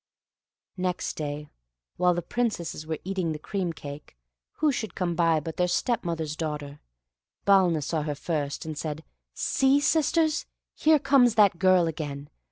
Next day, while the Princesses were eating the cream cake, who should come by but their stepmother's daughter. Balna saw her first, and said, "See, sisters, there comes that girl again.